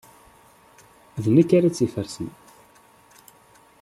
D nekk ara tt-ifersen.